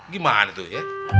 gimana tuh ya